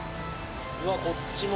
うわこっちも。